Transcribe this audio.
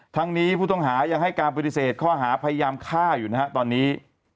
ทั้งนี้ผู้ต้องหายังให้การปฏิเสธข้อหาพยายามฆ่าอยู่นะฮะตอนนี้